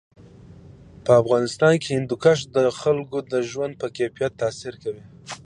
په افغانستان کې هندوکش د خلکو د ژوند په کیفیت تاثیر کوي.